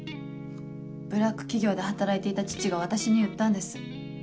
ブラック企業で働いていた父が私に言ったんです。